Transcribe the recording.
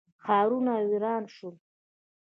ښارونه ویران شول.